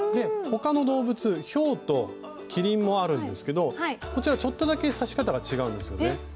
他の動物ヒョウとキリンもあるんですけどこちらちょっとだけ刺し方が違うんですよね。